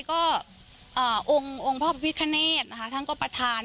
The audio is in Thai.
ก็องค์พ่อพระพิธิขณฑ์นะคะทั้งก็ประธาน